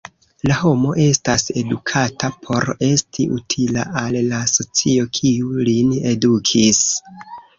La homo estas edukata por esti utila al la socio, kiu lin edukis.